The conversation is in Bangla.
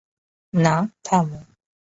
না, থামো।